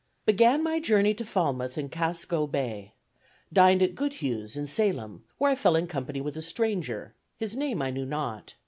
"Began my journey to Falmouth in Casco Bay. ... Dined at Goodhue's, in Salem, where I fell in company with a stranger, his name I knew not.